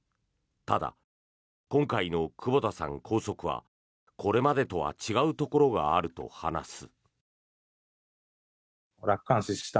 ただ、今回の久保田さん拘束はこれまでとは違うところがあると話す。